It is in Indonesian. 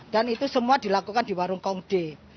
dan itu semua dilakukan di warung kongde